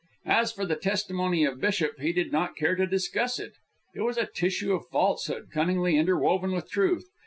As for the testimony of Bishop, he did not care to discuss it. It was a tissue of falsehood cunningly interwoven with truth.